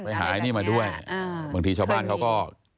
หายนี่มาด้วยบางทีชาวบ้านเขาก็